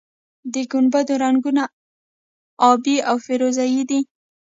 د ګنبدونو رنګونه ابي او فیروزه یي دي.